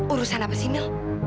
urusan apa sih mel